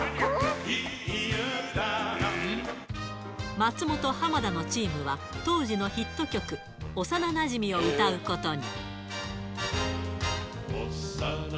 松本・浜田のチームは、当時のヒット曲、おさななじみを歌うことに。